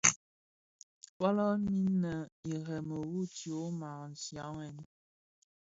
Fölömin innë irèmi wu tyoma nshiaghèn.